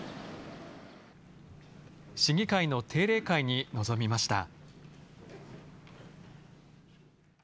市議会の定例会に臨みました。